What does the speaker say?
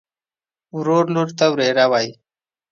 ورور لور ته وريره وايي.